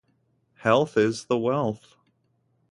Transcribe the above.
Health is the wealth.